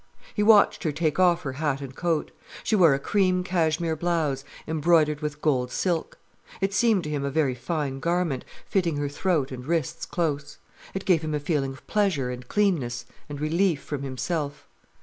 He watched her take off her hat and coat. She wore a cream cashmir blouse embroidered with gold silk. It seemed to him a very fine garment, fitting her throat and wrists close. It gave him a feeling of pleasure and cleanness and relief from himself.